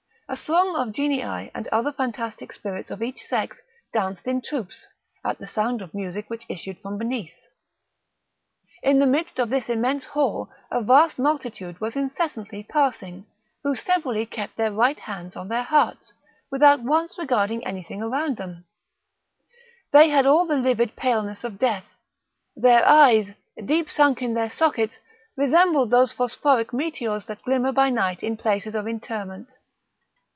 A throng of Genii and other fantastic spirits of each sex danced in troops, at the sound of music which issued from beneath. In the midst of this immense hall a vast multitude was incessantly passing, who severally kept their right hands on their hearts, without once regarding anything around them; they had all the livid paleness of death; their eyes, deep sunk in their sockets, resembled those phosphoric meteors that glimmer by night in places of interment.